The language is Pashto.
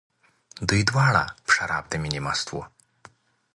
دوی دواړه په شراب د مینې مست وو.